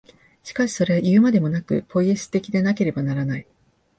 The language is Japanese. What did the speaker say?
しかしそれはいうまでもなく、ポイエシス的でなければならない。